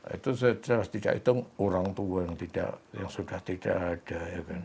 itu harus tidak hitung orang tua yang sudah tidak ada